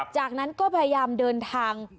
จากนั้นก็พยายามเดินทาง